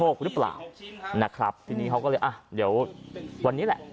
หรือเปล่านะครับทีนี้เขาก็เลยอ่ะเดี๋ยววันนี้แหละ